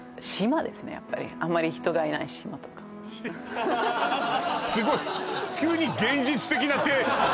やっぱりあまり人がいない島とかしすごい急に現実的な提案